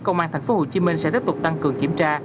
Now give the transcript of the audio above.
công an tp hcm sẽ tiếp tục tăng cường kiểm tra